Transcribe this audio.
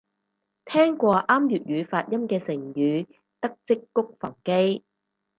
聽過啱粵語發音嘅成語得織菊防基